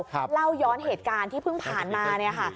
เล่าย้อนเหตุการณ์ที่เพิ่งผ่านมาเนี่ยค่ะ